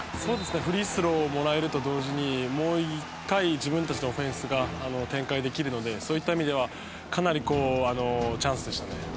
フリースローがもらえると共にもう１回、自分たちのオフェンスが展開できるのでそういった意味ではかなりチャンスでした。